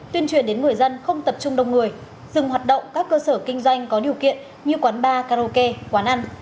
tuyên truyền đến người dân không tập trung đông người dừng hoạt động các cơ sở kinh doanh có điều kiện như quán bar karaoke quán ăn